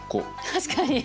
確かに！